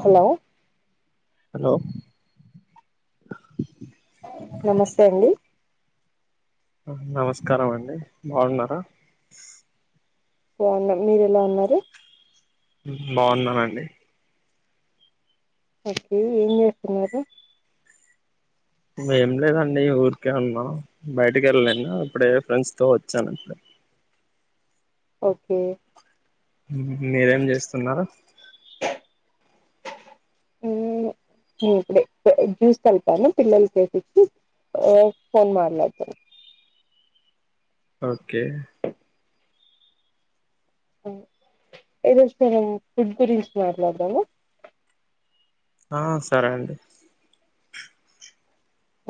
Hello hello నమస్తే అండి నమస్కారం అండి బాగున్నారా బాగున్నం మీరు ఎలా ఉన్నారు బాగున్నానండి ఓకే ఏం చేస్తున్నార్ ఏం లేదండి ఊరికే ఉన్నాం బయటకి వెళ్ళను ఇప్పుడే ఫ్రెండ్స్ తో వచ్చాను ఇప్పుడు ఓకే మ్ మీరేం చేస్తున్నారు మ్ ఎం లే ఇప్పుడే జ్యూస్ కలిపాను పిల్లలకు చేసిచ్చి ఆ ఫోన్ మట్లాడుతున్న ఓకే ఈ రోజు మనం ఫుడ్ గురించి మాట్లాడుదాము ఆ సరే అండి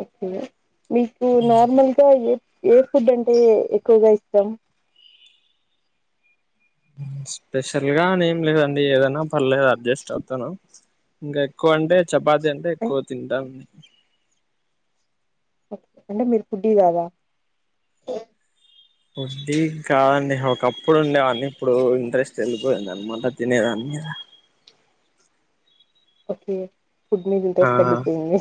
ఓకే మీకు నార్మల్గా ఏ ఏ ఫుడ్ అంటే ఎక్కువగా ఇష్టాం స్పెషల్ గా అని ఏం లేదండి ఏదైనా పర్లేదు అడ్జస్ట్ అవుతాను ఇంగ ఎక్కువ అంటే చపాతి అంటే ఏ, ఎక్కువ తింటనండి ఓే అంటే మీరు ఫుడ్డి కాదా వడ్డీ కాదండి ఒకప్పుడు ఉండే అన్న ఇప్పుడు ఇంట్రెస్ట్ వెళ్ళిపోయింది అనమాట తినేదాని మీద ఓకే ఫుడ్ మీద ఇంట్రెస్ట్ ఎల్లిపోయింది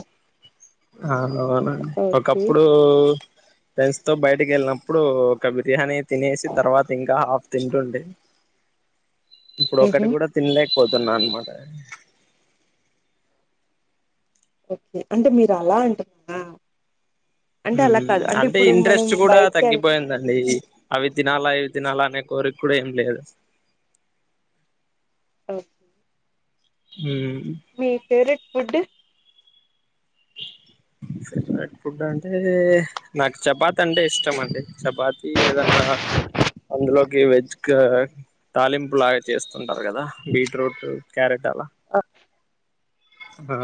అవునవునండి ఒకప్పుడు ఫ్రెండ్స్ తో బయటకి వెళ్ళినప్పుడు ఒక బిర్యానీ తినేసి తర్వాత ఇంగ హాఫ్ తింటుండే ఇప్పుడు మ్హూ. ఒకటి కూడా తినలేకపోతున్నా అనమాట ఓకే అంటే మీరు అలా అంటున్నార మ్ అంటే మనం ఇంట్రెస్ట్ కూడా బయటికి వెళ్ తగ్గిపోయిందండి అవి తినాలా ఇవి తినాలా అనే కోరిక కూడా ఏం లేదు ఓ మ్ మీ ఫేవరెట్ ఫుడ్ ఫేవరెట్ ఫుడ్ అంటే నాకు చపాతి అంటే ఇష్టం అండి చపాతి ఏదన్నా అందులోకి వెజ్ తాలింపులాగా చేస్తుంటారు కదా బీట్రూట్ క్యారెట్ అలా ఓ ఆ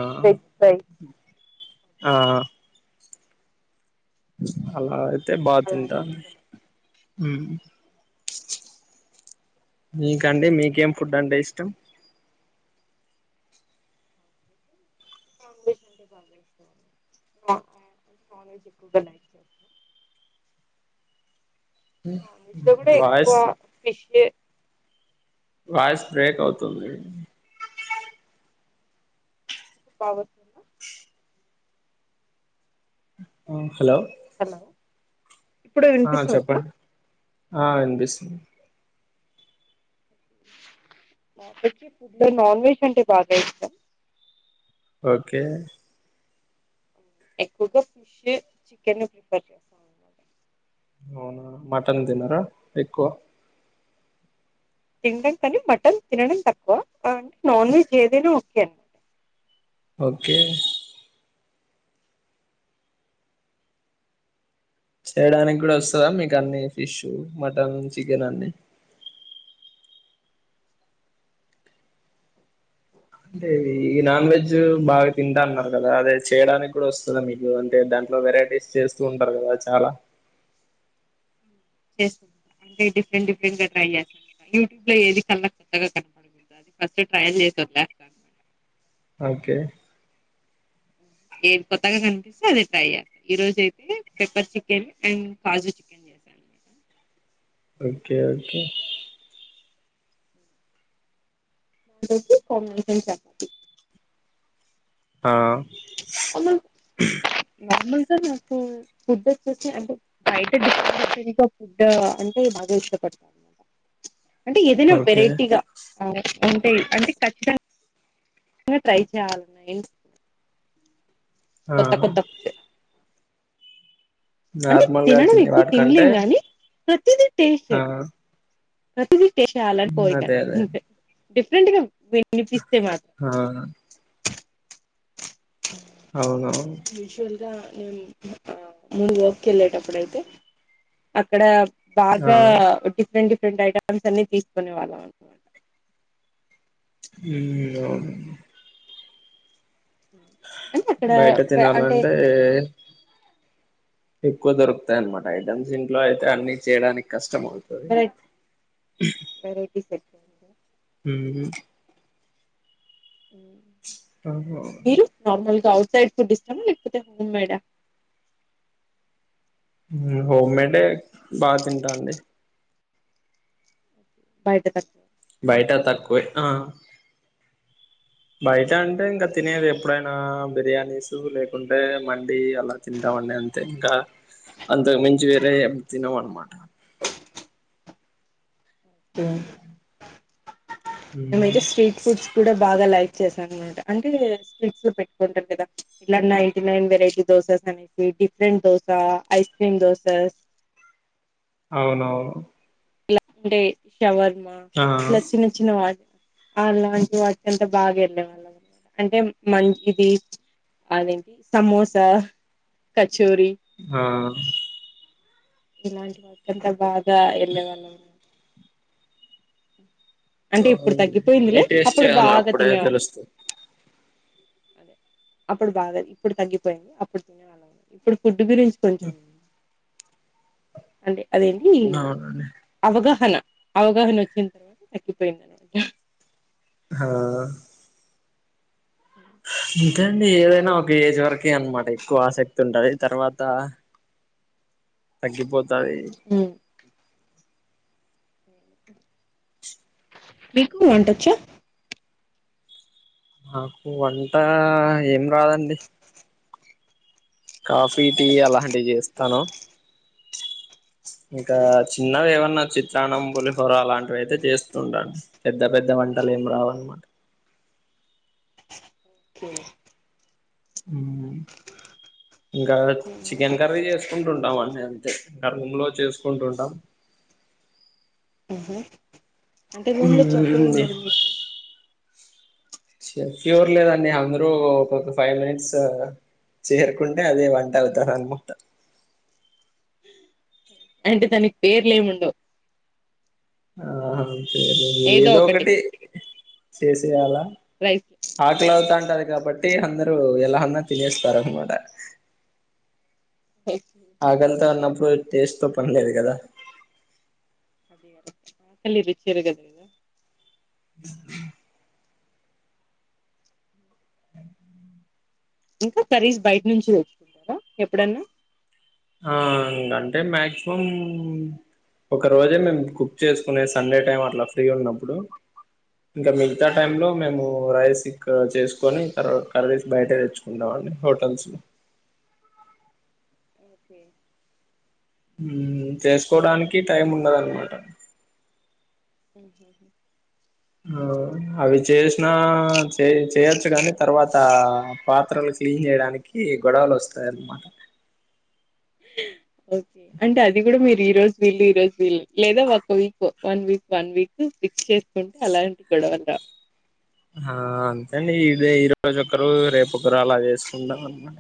ఆ అలా అయితే బాగా తింటా అలాంటివి ఇష్టమే ఉమ్ మీకండి మీకేం ఫుడ్ అంటే ఇష్టం నాన్ వెజ్ అంటే బాగా ఇష్టం నాన్ వెజ్ ఎక్కువగా లైక్ చేస్తా నాన్ వెజ్ లో కూడా ఎక్కువ వాయిస్ ఫిష్ లే వాయిస్ బ్రేక్ హలో అవుతుంది పవర్ హలో హలో ఇప్పుడు ఆ వినిపిస్తుందా చెప్పండి ఆ వినిపిస్తుంది గ్యాప్ ఇచ్చి ఫుడ్ లో నాన్ వెజ్ అంటే బాగా ఇష్టం ఓకే ఎక్కువగా ఫిష్ చికెన్ ప్రిఫర్ చేస్తాం అనమాట అవునా మటన్ తినారా ఎక్కువ తింటం కానీ మటన్ తినడం తక్కువ అంటే నాన్ వెజ్ ఏదైనా ఓకే ఓకే చేయడానికి కూడా వస్తుందా మీకు అన్ని ఫిష్ మటన్ చికెన్ అన్ని అంటే ఈ నాన్ వెజ్ బాగా తింటా అన్నారు కదా అదే చేయడానికి కూడా వస్తుంద కదా మీకు అంటే దాంట్లో వెరైటీస్ చేస్తూ ఉంటారు కదా చాలా ఎస్ అన్ని డిఫరెంట్ డిఫరెంట్ గా ట్రై చేస్తా యూట్యూబ్ లో ఏది కళ్ళకు కొత్తగా కనపడుతదొ. ఫస్ట్ ట్రయల్ చేసి వస్తా ఓకే ఏది కొత్తగా కనిపిస్తే అదే ట్రై చేస్తా ఈ రోజు egg pepper chicken and kaju chicken చేశాను అనమాట. ఓకే ఓకే ఈరోజు పొంగల్ చేశా ఆ అమ్మ నార్మల్ గా నాకు ఫుడ్ ఎక్కువ అంటే బయట ఫుడ్ అంటే బాగా ఇష్టపడతా అంటే ఏదైనా ఓకే వెరైటీగా ఆ ఉంటే అంటే ఖచ్చితంగా ట్రై చేయాలి నేను ఆ కొత్త అంటే నార్మల్గా తినడం తినే ఎక్కువ వాటికంటే తినలేం గాని ప్రతిది టేస్ట్ ఆ ప్రతిది టేస్ట్ చేేయాలని అదే కోరికనమాట అదే అంతే డిఫరెంట్ గా వినిపిస్తే మాత్రం ఆ అవునవును యూజువల్ గా నేను ముందు వర్క్ వెళ్ళేటప్పుడైతె అక్కడ అక్కడ ఆ బాగా డిఫరెంట్ డిఫరెంట్ ఐటమ్స్ అన్ని తీసుకునే వాళ్ళం అనమాట ఉమ్ ఆ ను అంటే అక్కడ బయట అంటే తినాలంటే ఏ ఎక్కువ దొరుకుతాయి అన్నమాట ఐటమ్స్ ఇంట్లో అయితే అన్ని చేయడానికి కష్టం అవుతుంది బ్రెడ్ వెరైటీస్ ఎ ఉమ్ అ అహ నార్మల్ గా అవుట్ సైడ్ ఫుడ్ ఇష్టమా లేకపోతే హోం మేడ్ హోమ్మెటే బాగా తింటా అండి బయట తక్కువ బయట తక్కువే ఆ బయట అంటే ఇంకా తక్కువ తినేది ఎప్పుడైనా బిర్యానీస్ లేకుంటే మండి అలా తింటావాడి అంతే ఇంకా అంతకు మించి వేరే ఏం తినము అన్నమాట ఈమధ్య మ్మ్ స్ట్రీట్ ఫుడ్స్ కూడా బాగా లైక్ చేశాను అనమాట అంటే స్ట్రిక్స్ లో పెట్టుకుంటారు కదా ఇలా నైన్టీ నైన్ వెరైటీ దోసస్ అనేసి different dosa ice cream dosas అవును అవును ఇలా అంటే షవర్మ ఆ ఇలా చిన్న చిన్న వచ్చిన వాటి అలాంటి వాటి అంతా బాగా వెళ్ళే వాళ్ళం అనమాట అంటే మంచిది అదే సమోసా కచోరి ఆ ఇలాంటి వాంత బాగా వెళ్ళే వాళ్ళము అంటే ఇప్పుడు అవునండి అన్ని తగ్గిపోయిందిలే టేస్ట్ అప్పుడు చేయాలి బాగా అప్పుడే తినేవాళ్ళ తెలుస్తది అప్పుడు బాగా ఇప్పుడు తగ్గిపోయింది అప్పుడు తినే వాళ్ళం ఇప్పుడు ఫుడ్ గురించి కొంచెం అంటే అదేంటి అవునండి అవగాహన అవగాహన వచ్చిది తగ్గిపోయింది ఆ ఆ అంతే అండి ఏదైనా ఒక ఏజ్ వరకే అనమాట ఎక్కువ ఆసక్తి ఉంటది తర్వాత తగ్గిపోతాది ఉ మీకు వంట వచ్చా నాకు వంట ఏం రాదండి కాఫీ టీ అలాంటివి చేస్తాను ఇంకా చిన్నవి ఏమన్నా చిత్రాన్నం పులిహోర అలాంటి చేస్తూ ఉంటా పెద్ద పెద్ద వంటలు ఏం రావు అన్నమాట ఉ ఇంకా చికెన్ కర్రీ చేస్తా చేసుకుంటుంటాం అన్నీ అంతే రూమ్ లో చేసుకుంటుంటాం ఆహా అంటే రూమ్ లో చెప్ ఎవరు ఉంది మరి మీకు చఫ్ ఎవరు లేదండి అందరూ ఒకొ ఫైవ్ మినిట్స్ చేరుకుంటే అదే వంట అవుతంది అన్నమాట అంటే దానికి పేర్లు ఏం ఉండవు ఆహా అంతే ఏదో ఒకటి చేసేయాలా రైస్ ఆకలి అవుతుంటది కాబట్టి అందరు ఎలా ఉన్నా తినస్తారు అన్నమాట ఉ ఆకలితో ఉన్నప్పుడు టేస్ట్ తో పనిలేదు కదా తెలీదు తిరగది ఉ హు ఇంకా కర్రీస్ బయట నుంచి తేచ్చుకుంటారా ఎప్పుడన్న ఆ అంటే మాక్సిమం ఒక రోజే మేము కుక్ చేసుకునే సండే టైం అట్లా ఫ్రీ ఉన్నప్పుడు ఇంగ మిగతా టైం లో ఓకే మేము ఓ రైస్ ఇక్కడ చేసుకోని తర్వాత కర్రీస్ బయటే తెచ్చుకుంటాండి హోటల్స్ లో ఓకే హ్మ్ చేసుకోడానికి టైం ఉండదనమాట హ్మ్ హు ఆ అవి చేసినా చే చేయొచ్చు కానీ తర్వాత పాత్రలు క్లీన్ చేయడాని కీ గొడవలు వస్తాయి అనమాట ఓకే అంటే అది కూడా మీరు ఈ రోజు వీళ్ళు ఈ రోజ్ విల్ లేదా ఒక week one week one week fix చేసుకుంటే అలాంటి గొడవలు రావ్ ఆ అంతే అండి ఇదే ఈ రోజు ఒకరు రేపు ఒకరు అలా చేసుకుంటా ఉన్నా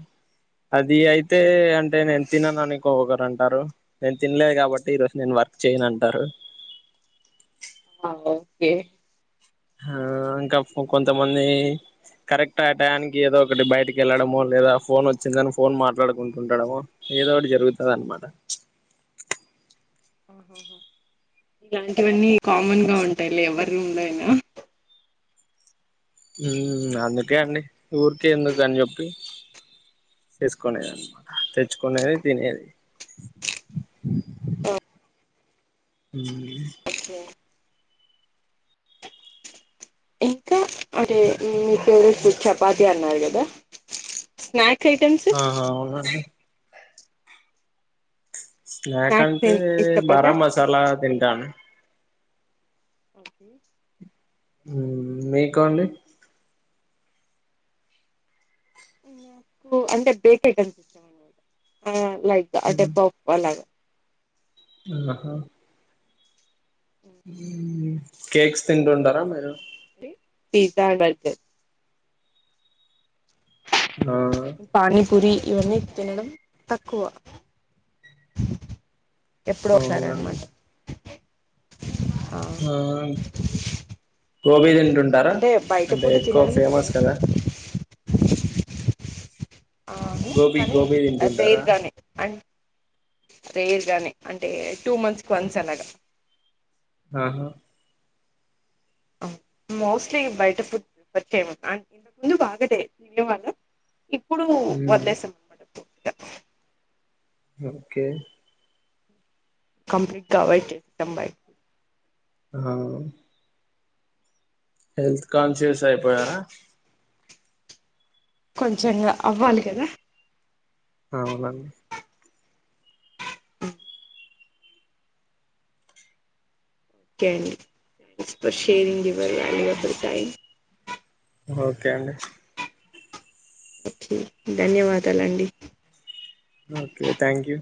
అది అయితే అంటే నేను తినను అని ఇంకోకరు అంటారు నేను తినలే కాబట్టి ఈ రోజు నేను వర్క్ చేయను అంటారు ఆ ఓకే ఆ ఇంక ఫ్ కొంతమంది కరెక్ట్ ఆ టైనికి ఏదో ఒకటి బయటకి వెళ్లడమో లేదా ఫోన్ వచ్చింది అని ఫోన్ మాట్లాడుకుంటు ఉండడము ఏదో ఒకటి జరుగుతది అనమాట హ ఇలాంటివన్నీ కామన్ గా ఉంటాయి లే ఎవరి రూమ్ లో అయినా హ్మ్ అందుకే అండి ఊరికే ఎందుకు అని చెప్పి చేసుకునేది అనమాట తెచ్చుకునేది తినేది హ్మ్ ఓకే ఇంకా అంటే మీ ఫేవరెట్ ఫుడ్ చపాతి అన్నారు కదా స్నాక్ ఐటెమ్ ఆహా అవునండి స్నాక్ స్నాక్స్ అంటే ఏం బారా ఇష్టపడరా? మసాలా తింటాన్ ఓకే హ్మ్ మీకు అండి నాకు అంటే బేక్ ఐటమ్స్ లైక్ అంటే పప్ అలాగా ఉంద హా హ్మ్ కేక్స్ తింటుంటారా మీరు టి పిజ్జా బర్గర్ నా పనీపూరి ఇవన్నీ తినడం తక్కువ ఎప్పుడొసారి అవునండి అనమాట ఆ ఆ గోబీ తింటు ఉంటారా అంటే బయట అంటే ఫుడ్ ఎక్కువ తినడం తక్కువ ఫేమస్ కదా అవును గోబీ కానీ గోబీ తింటుంటారా రేర్ గానే అం రేర్ గానే అంటే టూ మంత్స్ కి వన్స్ అలాగా ఆహా మోస్ట్లీ బయట ఫుడ్ ప్రిఫర్ చెయ్యం అన్ అందుకు ఆగదే [unintelligible] ఇప్పుడు ఉమ్ వదిలేసాం మట ఓకే కంప్లీట్ గా అవాయిడ్ చేసేసాం బయ్ అ హెల్త్ కాన్షియస్ అయిపోయారా కొంచెం గా అవ్వాలి కదా అవునండి can thanks for sharing your valuable time okay అండి ఓకే ధన్యవాదాలు అండి ఓకే థ్యాంక్ యూ